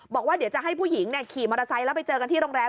บอกว่าเดี๋ยวจะให้ผู้หญิงขี่มอเตอร์ไซค์แล้วไปเจอกันที่โรงแรม